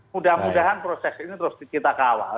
mudah mudahan proses ini terus kita kawal